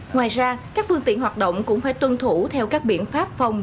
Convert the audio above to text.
ngoài ra các phương tiện hoạt động cũng phải tuân thủ theo các biện pháp phòng